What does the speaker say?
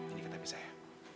ini ketapi saya